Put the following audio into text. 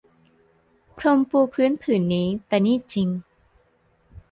พรมปูพื้นผืนนี้ปราณีตจริง